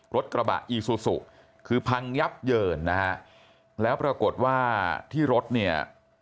รถกระบะอีซูซูคือพังยับเยินนะฮะแล้วปรากฏว่าที่รถเนี่ย